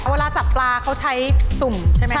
เวลาจับปลาเขาใช้สุ่มใช่ไหมค